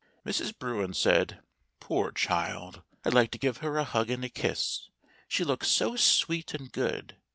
Mrs. Bruin said: " Poor child ! I'd like to give her a hug and a kiss, she looks so sweet and good."